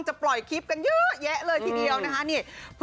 ปล่อยคลิปกันเยอะแยะเลยทีเดียวนะคะ